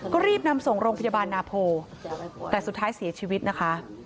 ก็รีบนำส่งโรงพยาบาลนาโพแต่สุดท้ายเสียชีวิตนะคะ